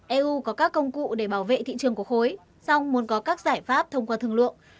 eu có các công cụ để bảo vệ thị trường của khối song muốn có các giải pháp thông qua thương lượng